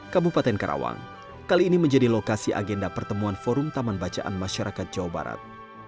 kabupaten karawang kali ini menjadi lokasi agenda pertemuan forum taman bacaan masyarakat jawa barat